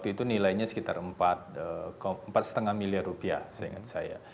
itu nilainya sekitar empat lima miliar rupiah seingat saya